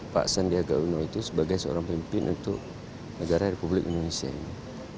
pak sandiaga uno itu sebagai seorang pemimpin untuk negara republik indonesia ini